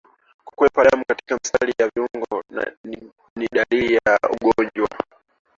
Kuwepa na damu katika mistari ya viungo ni dalili ya ugonjwa